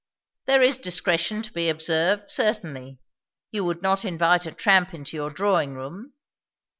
"There is discretion to be observed, certainly. You would not invite a tramp into your drawing room.